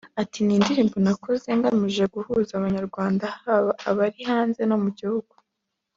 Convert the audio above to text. Ati “Ni indirimbo nakoze ngamije guhuza Abanyarwanda haba abari hanze no mu gihugu